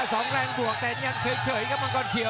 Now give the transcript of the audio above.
สองแรงบวกเต้นยังเฉยครับมังกรเขียว